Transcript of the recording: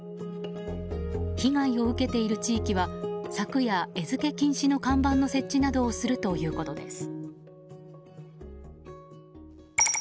被害を受けている地域は昨夜、餌付け禁止の看板の設置などをするということです。